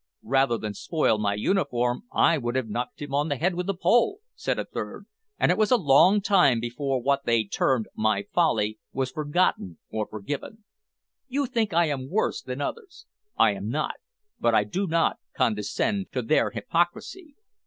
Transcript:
`Rather than spoil my uniform, I would have knocked him on the head with a pole,' said a third; and it was a long time before what they termed my folly was forgotten or forgiven. You think I am worse than others. I am not; but I do not condescend to their hypocrisy.